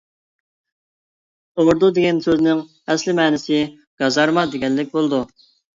ئوردۇ دېگەن سۆزنىڭ ئەسلى مەنىسى «گازارما» دېگەنلىك بولىدۇ!